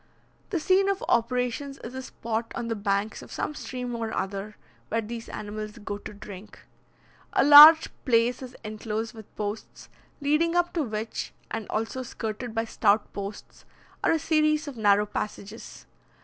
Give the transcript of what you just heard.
The scene of operations is a spot on the banks of some stream or other, where these animals go to drink. A large place is enclosed with posts, leading up to which, and also skirted by stout posts, are a series of narrow passages.